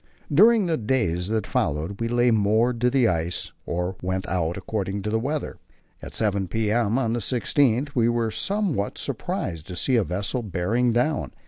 During the days that followed we lay moored to the ice or went out, according to the weather. At 7 p.m. on the 16th we were somewhat surprised to see a vessel bearing down.